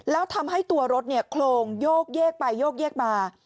แล้วทำให้ตัวรถโค้งโยกเย็กไปโยกเย็กมา